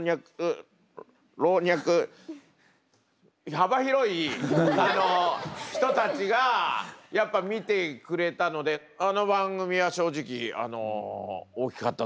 幅広い人たちがやっぱ見てくれたのであの番組は正直大きかったとは思いますね。